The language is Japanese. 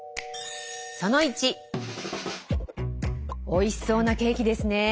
おいしそうなケーキですねぇ。